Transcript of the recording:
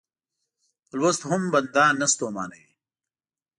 په لوست هم بنده نه ستومانوي.